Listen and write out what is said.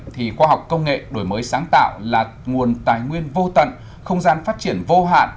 thì khoa học công nghệ đổi mới sáng tạo là nguồn tài nguyên vô tận không gian phát triển vô hạn